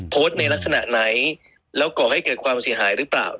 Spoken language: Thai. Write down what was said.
โพสต์ในลักษณะไหนแล้วก่อให้เกิดความเสียหายหรือเปล่า